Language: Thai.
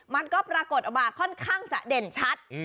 มันก็ปรากฏออกมาค่อนข้างจะเด่นชัด